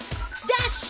ダッシュ？